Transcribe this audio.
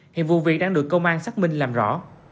hiện vụ việc đang được công an xác minh làm rõ